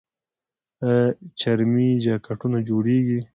آیا چرمي جاکټونه جوړیږي؟